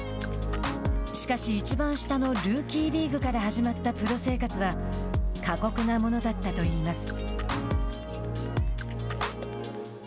しかし、いちばん下のルーキーリーグから始まったプロ生活は過酷なものだったといいます。